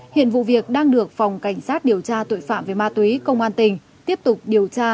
hiện vụ việc đang được phòng cảnh sát điều tra tội phạm về ma túy công an tỉnh tiếp tục điều tra